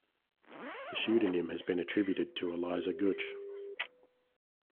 The pseudonym has been attributed to Eliza Gutch.